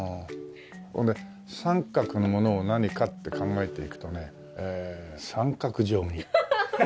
三角のものを何かって考えていくとね三角定規。